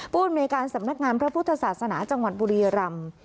อำนวยการสำนักงานพระพุทธศาสนาจังหวัดบุรีรำ